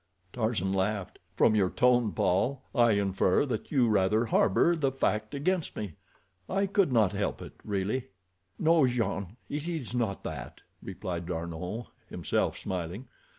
Tarzan laughed. "From your tone, Paul, I infer that you rather harbor the fact against me. I could not help it, really." "No, Jean; it is not that," replied D'Arnot, himself smiling.